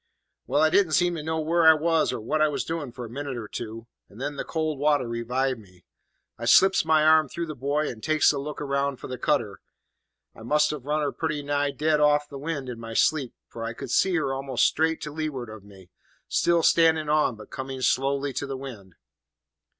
"Well, I didn't seem to know where I was or what I was doin' for a minute or two; and then the cold water revived me. I slips my arm through the buoy, and takes a look round for the cutter. "I must have run her pretty nigh dead off the wind in my sleep, for I could see her almost straight to leeward of me, still standin' on, but comin' slowly to the wind.